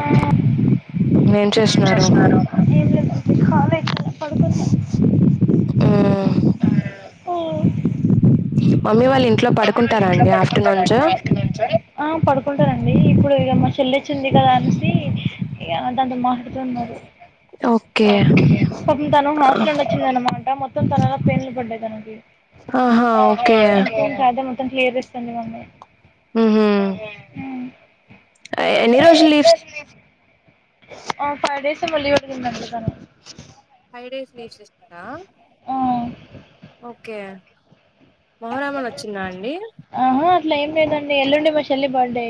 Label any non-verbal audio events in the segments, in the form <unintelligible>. ఆ ఏం చేస్తున్నారు ఏం లేదు ఖాళీ పడు కున్నాం మ్ ఈ మమ్మీ వాళ్ ఆ పడుకుంటారండి ఇప్పుడు ఇల్ల మ చెల్లి వచ్చింది కదా అనేసి దాంతో మాట్లాడుతున్నారు ఓకే పాపం తను హాస్టల్ నుండి వచ్చిందన్నమాట మొత్తం తలలా పెన్లు పడ్డాయి తనకి ఆహా ఓకే <unintelligible> త్తం క్లియర్ చేస్తుంది మమ్మీ మ్హూ. లిఫ్స్ ఆ ఫైవ్ డేస్ ఏమో లీవ్లుందంట తను ఫైవ్ డేస్ లీవ్స్ ఇస్తరా ఆ ఓకే మొహరామని వచ్చిందా అండి ఆ అట్ల ఏం లేదండి ఎల్లుండి మా చెల్లి బర్త్డే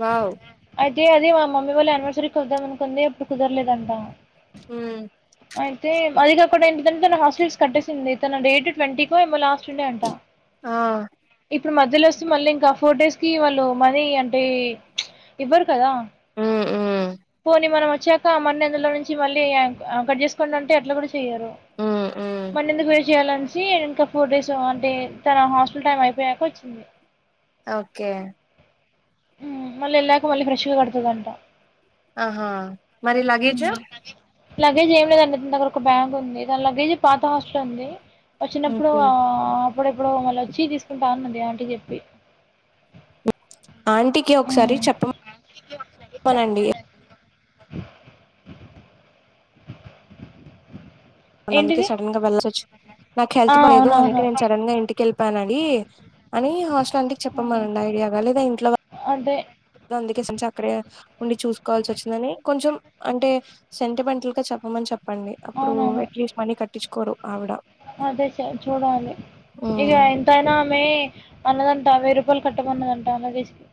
వావ్ అయితే అది మా మమ్మీ వాళ్ళ ఆనివర్సరీకి వద్దాం అనుకుంది అప్పుడు కుదరలేదంట మ్మ్. అ యితే అది కాకుండ ఏంటిదంటే తన హాస్టల్స్ కట్టేసింది తన డేట్ ట్వంటీ కో ఏమో లాస్ట్ డే అంట ఆ ఇప్పుడు మధ్యలో వస్తే మళ్ళీ ఇంకా ఫోర్ డేస్ కి వాళ్ళు మనీ అంటే ఎవ్వరు కదా మ్మ్, మ్మ్, పోని మనం వచ్చాక మన్ని అందులో నుంచి మళ్ళీ కట్ చేసుకోండి అంటే అట్లా కూడా చెయరు మ్మ్, మ్మ్. మన్నఎందుకు వేస్ట్ చేయాలనేసి ఇంకా ఫోర్ డేస్ అంటే తన హాస్టల్ టైమ్ అయిపోయాక వచ్చింది ఓకే మళ్ళీ ఎళ్లాక మళ్ళీ ఫ్రెష్ గా కడుతదంట ఆహా మరి లగేజు మ్మ్. లగేజ్ ఏం లేదండి దని దగ్గర ఒక బ్యాగ్ ఉంది దాని లగేజ్ పాత హాస్టల్ లో ఉంది వచ్చినప్పుడు ఓకే. ఆ అప్పుడు ప్పుడో మళ్ళవచ్చి తీసుకుంటా అన్నది ఆంటి కి చెప్పి ఆంటీకి ఒకసారి చెప్పమనండి <inaudible> ందుకే ఏంటిది సడన్ గా వెళ్ళచ్చు నాకు ఆ హెల్త్ బాలేదు అందుకే అవునవును నేను సడన్ గా ఇంటికెళ్ చెప్పానడి అని హాస్టల్ అంటికి చెప్పమనండి ఐడియాగా లేదా ఇంట్లో అదే అందుకే సించ్ అక్కడే ఉండి చూసుకోవాల్సి వచ్చిందని కొంచెం అంటే సెంటిమెంట్లుగా చెప్పమని చెప్ప చెప్పండి అప్పుడు అవునవును అట్లీస్ట్ మనీ కట్టిచుకోరు ఆవిడ ఉమ్ ఇగా ఎంతయినా ఆమెఅన్నదంట వెయ్యి రూపాయలు కట్టమన్నదంట లగేజ్ కి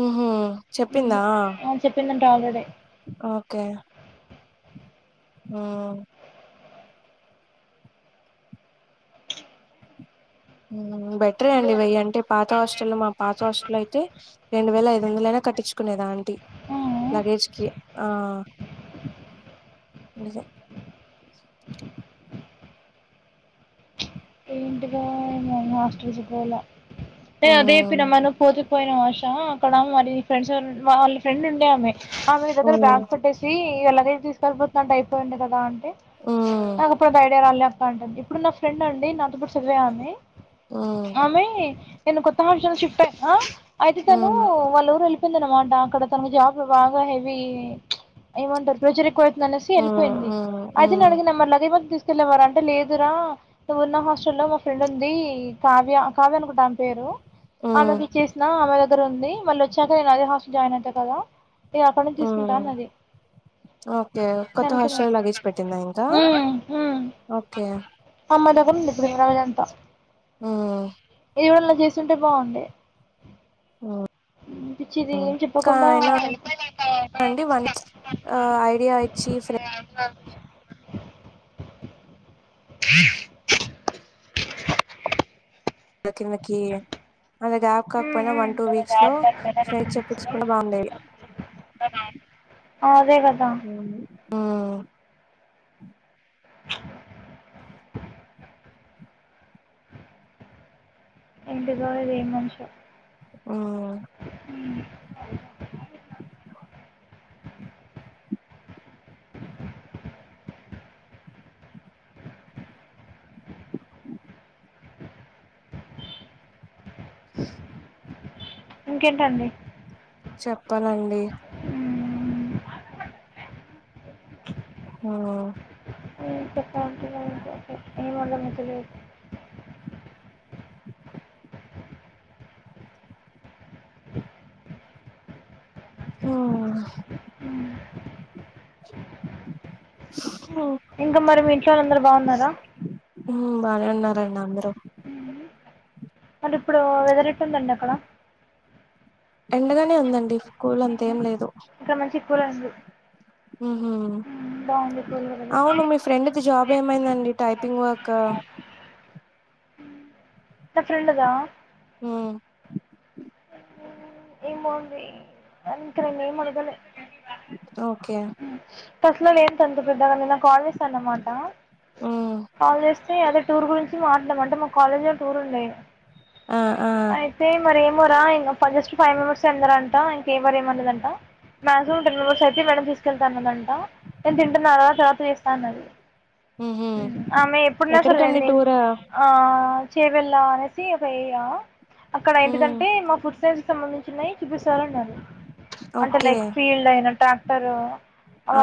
ఉహూ చెప్పిందా ఆ చెప్పిందంట ఆల్రెడీ ఓకే ఉమ్ బెటరే అండి వెయ్యి అంటే పాత హాస్టల్లో మా పాత హాస్టల్ అయితే రెండు వేల ఐదు వందలైనా కట్టిచుకునేది ఆంటీ ఆ లగేజ్ కి ఆ ఇజే ఏంటిదో ఏమో మా హస్టల్ కి పోలే నే ఉమ్ అదే చెప్పిన మరి నువ్వు పోతే పోయిన వర్షా అక్కడ మరి ఫ్రెండ్స్ వాళ్ళ ఫ్రెండ్ ఉండే ఆమె ఆ మీ దగ్గర ఉమ్ బ్యాగ్ పెట్టేసీ ఇ లగేజ్ తీసుకెళ్లిపోతాంటె అయిపోయిండె కదా ఉమ్ నాకుప్పుడు అది ఐడియా రాలే అక్క అంటంది ఇప్పుడు నా ఫ్రెండ్ అండి నాతో పాటు చదివేఆమి హ్మ్ ఆమె నేను కొత్త హాస్టల్ షిఫ్ట్ అయినా అయితే హ్మ్ తనూ వాల్లూరు వెళ్ళిపో యిందనమాట అక్కడ తన జాబ్ బాగా హెవీ ఏమంటారు ప్రెజర్ ఎక్కువ యితింది అనేసి హ్మ్ ఎళ్ళిపోయింది హ్మ్ అయితే హ్మ్ నేనడిగిన మరి లగేజ్ మొత్తం తీసుకెళ్ళలేవా అంటే లేదురా నువ్వు ఉన్న హస్ట్ స్టల్ లో మా ఫ్రెండ్ ఉంది కావ్య కావ్యనికి ఒక డామ్ పేరు హ్మ్ ఆమెకి ఇచ్చేసిన ఆమె దగ్గర ఉంది మళ్ళీ వచ్చాక నేను అదే హాస్టల్ లో జాయిన్ అవుతా కదా నే అక్కడ నుంచి తీసుకుంటా హ్మ్. అన్నది ఓకే నేను కొత్త అనుకున్నా హాస్టల్ లొ లగేజ్ పెట్టిందా ఇంకా ఓకే అమ్మ దగ్గర ఉండిద్ది మయి రోజంతా మ్ <unintelligible> చేస్తుంటే బాగుండి మ్ అనిపించిది ఏం చెప్పకుండా అండి వన్ ఐడియా ఇచ్చి ఫ్రె కి మకిీ అంత గ్యాప్ కాకపోయినా వన్ టూ వీక్స్ లో ఫ్రైడ్ చెప్పిచ్చుకున్నా బావుండేది ఆ అదే కదా మ్ ఏంటి దో ఏం మనిషో మ్ ఉ ఇంకేంటండి చెప్పాలండి మ్ మ్ ఏం చెప్పాలి తెలియటలేదు ఏమి అర్ధమైతే లేదు ఆ ఇంకా మరి మీ ఇంట్లో వాళ్ళు అందరు బావున్నారా మ్ బానే ఉన్నారండి అందరూ అంటె ఇప్పుడు వెదర్ ఎట్టుందండి అక్కడ ఎండగానే ఉందండి కూల్ అంతేమి లేదు ఇంకా మంచిక్కూలే ఉంది మ్ హుమ్ బాగుంది కూల్ వెదర్ అవును మీ ఫ్రెండ్ ది జాబ్ ఏమైందండి టైపింగ్ వర్క్ మ్ మీ ఫ్రెండ్ దా హ్మ్ ఏమో ఆండీ అంత నెనేమి అడగలె ఓకే అట్లా ఏం తంత పెద్దగా నేనాకు కాల్ చేస్తా అన్నమాట హ్మ్ కాల్ చేస్త అ అదే టూర్ గురించి మాట్లాడమంటే మా కాలేజ్ లో టూర్ ఉండ ఆ ఆ అయితే మరేం ఎమో రా ఇంగ జస్ట్ ఫైవ్ మెంబెర్స్ అన్నారంట ఇంక ఎవరు ఏమన్నలేదంటా మాక్సిమం టెన్ర్స్ అయితే మే తీసుకెళ్తా అన్నద అంటా నేను తింటున్నా కదా తవాత వస్తానున్నది ఊహూ <unintelligible> ఆమె ఎప్పుడున్నా <unintelligible> ఎక్కడికండి చరంది టూర్ ఆ చేవెల్ళ అనేసి ఒక ఏరియా అక్కడ హ్మ్ ఏంటిదంటే మా ఫుడ్ సైన్స్ సంబంధించినయి చూపిస్త <unintelligible> చాలండ అంటే ఓకే లైక్ ఫీల్డ్ అయిన ట్రాక్టరు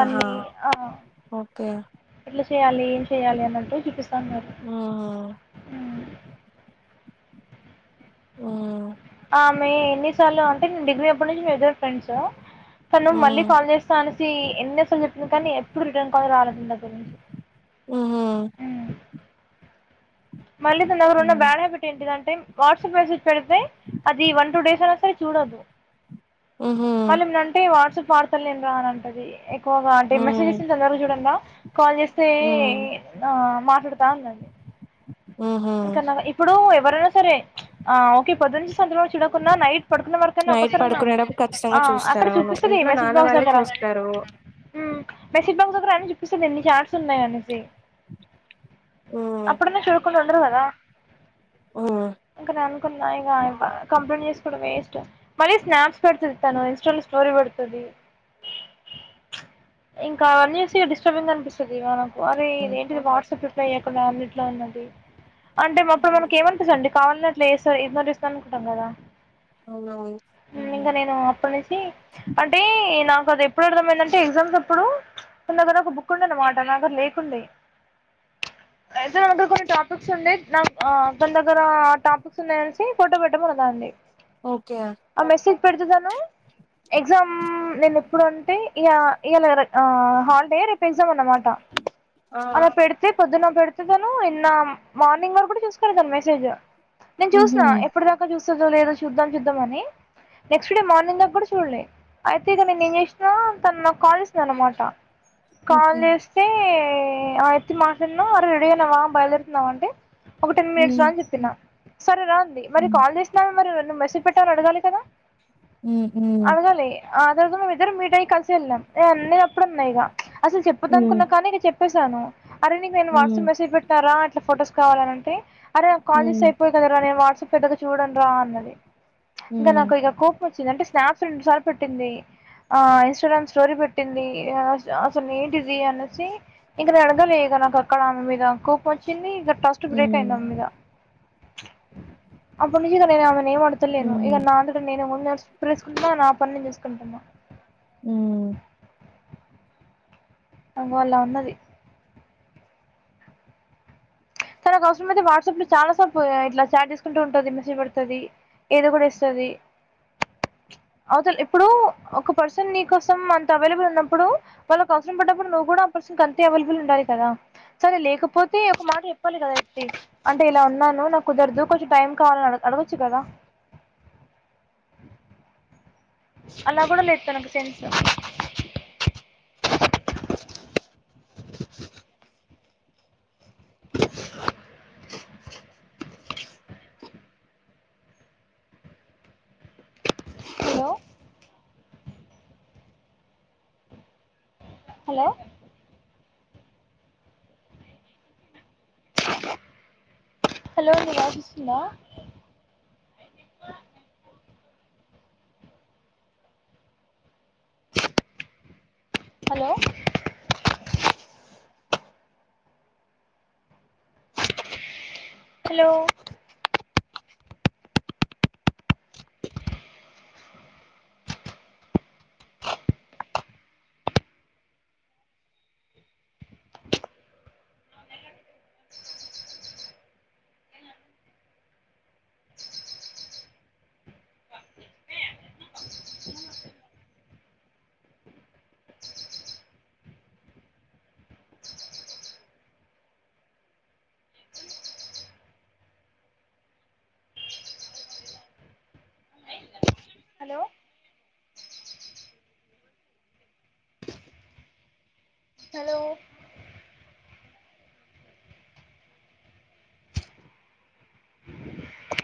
ఆహా ఆ ఓకే ఎట్లా చేయాలి ఏమ్ చేయాలి అన్నట్టు చుపిస్త హ హమ్ ఉం ఆ మీ ఎన్నిసార్లు అంటే నేను డిగ్రీ అప్పటి నుంచి మీ ఇద్దరు ఫ్రెండ్స్ తను మళ్ళీ హ్మ్ కాల్ చేస్తా అనేసి ఎన్నో సార్లు చెప్పింది కానీ ఎప్పుడు రిటర్న్ కాల్ రాలేదు గురించి ఆహా ఉమ్. మళ్ళీ తన దగ్గర ఉన్న హ్మ్ బ్యాడ్ హ్యాబిట్ ఏంటి అంటే వాట్సాప్ మెసేజ్ పెడితే అది వన్ టూ డేస్ అ చూడదు ఊహూ మల్లి ఏమైనా అంటే వాట్సాప్ వాడతలేను రా అంటాధి గా అంటే మెసేజ్ హ్మ్ చేసింది <unintelligible> అందర చూడండి కాల్ చేస్తే హ్మ్ ఆ మా తిడతా ఉన్నది ఊహూ ఇంకా ఇప్పుడు ఎవరైనా సరే ఆ ఓకే పొద్దున్ చూడకున్నా నైట్ పడుకున్న వరకన్నా నైట్ ఒకసారి అన్నా పడుకునేటప్పుడు ఖచ్చితంగా అక్కడ చూపిస్తది మెసేజ్ బాక్స్ దగ్గర సరు ఉమ్ మెసేజ్ బాక్స్ దగ్గర అని చూపిస్తుంది ఎన్ని ఛాట్స్ ఉన్నాయి అనేసి హ్మ్ అప్పుడున్న చూ అద్రు హ్మ్ <unintelligible> కద కున్నాయి గా కంప్లైంట్ చేసుకోవడం వేస్ట్ మళ్ స్నాప్స్ పెడుతది తను ఇంస్టా లో స్టోరీ పెడుతది ఇంకా అనేసి డిస్టర్బింగ్ అనిపిస్తది మనం మరి ఇది హ్మ్ ఏంటిది వాట్సాప్ రిప్లై ఇయకుండా మ్యూట్ లో ఉన్నది అంటే అప్పుడు మనకి ఏమనిపిస్తుందండి కావాలని అట్లా ఏన్నట్ <unintelligible> ఇస్తుా అనుకుంటాం కదా అవునవును హ్మ్ ఇంకా నేను అప్పటి నుంచి అంటే నా అది ఎప్పుడు అర్థం అయిందంటే ఎగ్జామ్స్ అ ప్పుడు ఉన్నా కద ఒక బుక్ ఉండే అన్నమాట నాకు అది లేకుండే ఐజగ్ <unintelligible> అందుకుట ఉండే నా ఆ తన దగ్గర టాపిక్స్ ఉన్నాయి అనేసి ఫోటో పెట్టమంది అండి ఓకే పెడుతున్నాను ఎగ్జామ్ నేను ఎప్పుడు అంటే ఇగా ఇలా ఆ హాలిడే రేపు ఎగ్జామ్ అన్నామాట ఆ అమె పెడితే పొద్దున్న పెడితే నేను నిన్న మార్నింగ్ వరకు కూడా చూసుకులే తను మెసేజ్ నేను ఊహూ చూసిన ఎప్పటిదాకా చూస్తదో లేదో చూద్దాం చూద్దామని నెక్స్ట్ డే మార్నింగ్ దాక కూడా చూడలే అయితే ఇక నేను ఏం చేసిన తన నాకు కాల్ చేసింది అనమాట కాల్ ఓకే చేస్తే ఆ ఎత్తి మాట్లాడిన అ రెడి అయినావా బయలుదేరుతున్నావ అంటె ఒక టెన్ మినిట్స్ హ్మ్ రా అని చెప్పిన సరే రా ఉంది మరి హ్మ్. కాల్ చేసినా మరి మెసెజ్ పెట్టా అడగాలి కదా హ్మ్. హ్మ్. అడగాలి ఆ రోజు మేము ఇద్దరం మీటయి కలిసి వెళ్ళాం నే అన్న అప్పుడు ఉన్నాయిగ అసలు హ్మ్. చెప్పదునుకున్నా కానీ ఇక చెప్పేసాను అరే నీకు నేను హ్మ్. వాట్సాప్ మెసేజ్ పెట్టినారా ఫొటోస్ కావాల అంటే అరే కాల్ చేసి హ్మ్. అయిపోయి కదరా నేను వాట్సాప్ పెద్దగా చూడన్ రా అన్నది ఇంగ హ్మ్. నాకు ఇగ కోపం వచ్చింది అంటే స్నాప్స్ రెండు సార్లు పట్టింది ఆ ఇన్స్టాగ్రామ్ స్టోరీ పెట్టింది అసలు ఏంటిది అనేసి ఇంకా నేన్ అడగాలే నాకు అక్కడ ఆమె మీద కోపం వచ్చింది ట్రస్ట్ బ్రేక్ అయింది హ్మ్. దాని మీద అప్పుడు నుంచి నిజ నేం అడతలేను ఇగ హుహు. హ్మ్. నా అంతట నేను ముందు నపేసుకుంటున్నా నా పని నేను చేసుకుంటున్నా హ్మ్. అగో అలా ఉన్నది తనకు అవసరం అయితే వాట్సాప్ లో చాలా సార్లు ఇట్లా చాట్ చేసుకుంటూ ఉంటది మెసేజ్ పెడుతది ఏదో ఒకటి ఇస్తది అవుతల ఇప్పుడు ఒక పర్సన్ నీ కోసం అంత అవైలబుల్ ఉన్నప్పుడు వాళ్ళకు బట్ డప్పుడు నువ్వు కూడా ఆ పర్సన్ కి అంతే అవైలుబుల్ ఉండాలి కదా సరే లేకపోతే ఒక మాట చెప్పాలి కదా ఎంటి అంటే ఇలా ఉన్నాను నాకు కుదరదు కొంచం టైం కావాలని అడగచ్చు కదా అలా కూడా లేదు తనకు sense hello hello hello voice వస్తుందా hello hello hello hello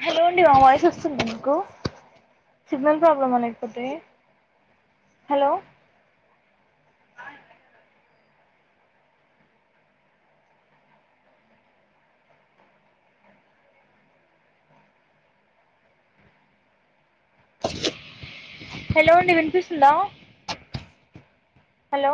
hello అండి నా వాయిస్ వస్తుద మీకు సిగ్నల్ ప్రాబ్లమ్ ఆ లేకపోతే హలో హలో అండి వినిపిసుంద హలో